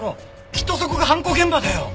きっとそこが犯行現場だよ！